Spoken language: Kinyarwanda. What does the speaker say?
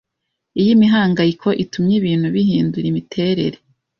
Iyo imihangayiko itumye ibintu bihindura imiterere